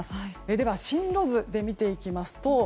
では、進路図で見ていきます。